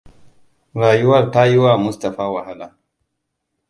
Rayuwar ta yiwa Mustapha wahala.